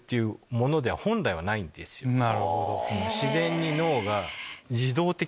なるほど。